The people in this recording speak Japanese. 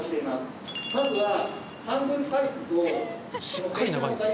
しっかり長いんですよ。